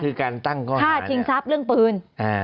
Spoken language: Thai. คือการตั้งข้อหาฆ่าชิงทรัพย์เรื่องปืน